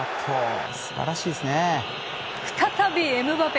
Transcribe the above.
再びエムバペ。